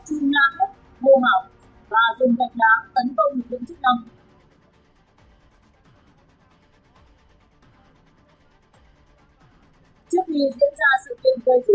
xuống mắc nấu đối tượng cơ sở trong đơn tiện để chống phá nhà nước